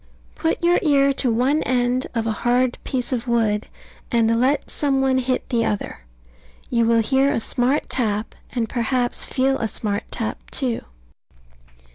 Put your ear to one end of a hard piece of wood, and let some one hit the other. You will hear a smart tap; and perhaps feel a smart tap, too.